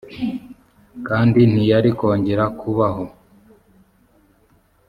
kandi ntiyari kongera kubaho